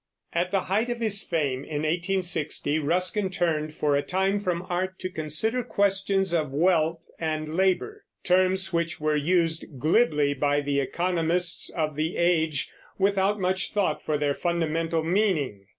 At the height of his fame, in 1860, Ruskin turned for a time from art, to consider questions of wealth and labor, terms which were used glibly by the economists of the age without much thought for their fundamental meaning.